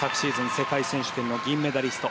世界選手権の銀メダリスト。